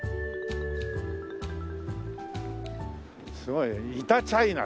すごいねイタチャイナって。